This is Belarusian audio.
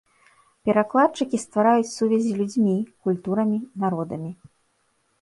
Перакладчыкі ствараюць сувязі людзьмі, культурамі, народамі.